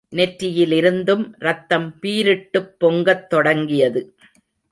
நெற்றியிலிருந்தும் ரத்தம் பீரிட்டுப் பொங்கத் தொடங்கியது.